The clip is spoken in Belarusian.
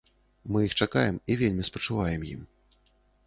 Мы іх чакаем і вельмі спачуваем ім.